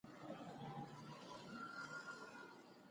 ازادي راډیو د سیاست ته پام اړولی.